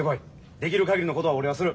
できる限りのことは俺はする。